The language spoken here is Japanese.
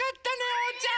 おうちゃん！